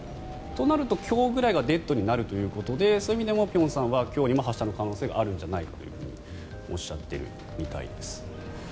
となると、今日ぐらいがデッドになるということでその意味でも辺さんは今日にも発射の可能性があるんじゃないかとおっしゃっているみたいです。